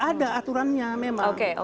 ada aturannya memang